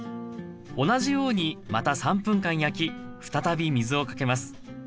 同じようにまた３分間焼き再び水をかけます。